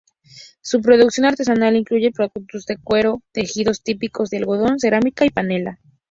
Su producción artesanal incluye productos de cuero, tejidos típicos de algodón, cerámica y panela.